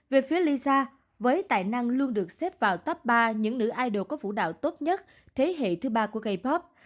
về phía lisa với tài năng luôn được xếp vào top ba những nữ idol có vũ đạo tốt nhất thế hệ thứ ba của gây pop